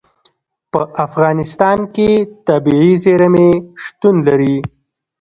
په افغانستان کې طبیعي زیرمې شتون لري.